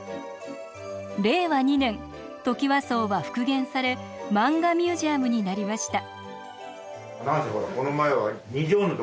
令和２年トキワ荘は復元されマンガミュージアムになりました。